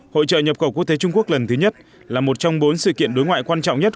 hội trợ nhập khẩu quốc tế trung quốc lần thứ nhất là một trong bốn sự kiện đối ngoại quan trọng nhất